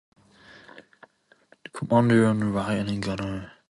The commander on the right and the gunner on the left have single-piece hatches.